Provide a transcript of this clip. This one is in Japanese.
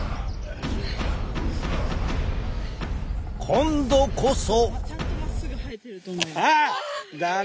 今度こそ！